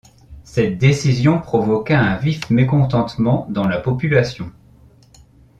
Cette décision provoqua un vif mécontentement dans la population.